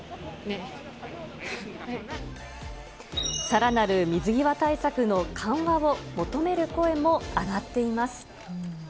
さらなる水際対策の緩和を求める声も上がっています。